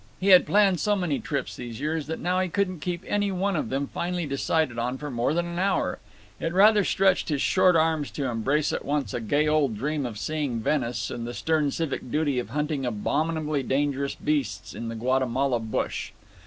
He had planned so many trips these years that now he couldn't keep any one of them finally decided on for more than an hour. It rather stretched his short arms to embrace at once a gay old dream of seeing Venice and the stern civic duty of hunting abominably dangerous beasts in the Guatemala bush.